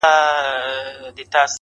هغه چي ته يې په هغه دنيا له خدايه غوښتې,